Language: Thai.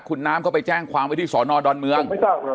คุณน้ำเข้าไปแจ้งความไว้ที่สอนอดอนเมือง